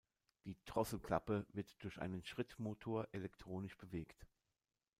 Die Drosselklappe wird durch einen Schrittmotor elektronisch bewegt.